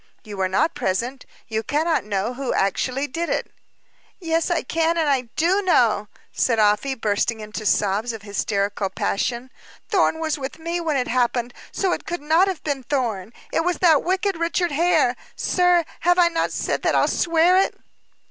You were not present; you cannot know who actually did it." "Yes, I can, and do know," said Afy, bursting into sobs of hysterical passion. "Thorn was with me when it happened, so it could not have been Thorn. It was that wicked Richard Hare. Sir, have I not said that I'll swear it?"